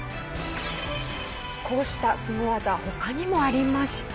こうしたスゴ技他にもありまして。